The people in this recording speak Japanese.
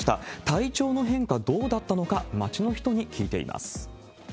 体調の変化、どうだったのか、街の人に聞いています。